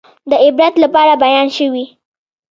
د عبرت لپاره بیان شوي.